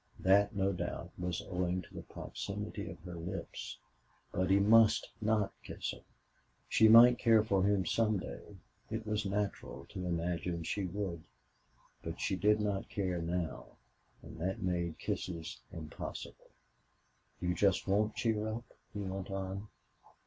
That, no doubt, was owing to the proximity of her lips. But he must not kiss her. She might care for him some day it was natural to imagine she would. But she did not care now, and that made kisses impossible. "You just won't cheer up?" he went on.